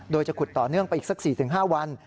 โดยจะขุดต่อเนื่องไปอีกสัก๔๕วัน